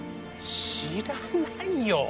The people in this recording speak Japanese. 知らないよ！